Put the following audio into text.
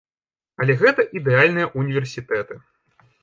Але гэта ідэальныя ўніверсітэты.